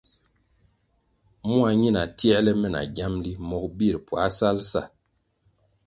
Mua ñina tierle me na giamli mogo bir puáh sal sa.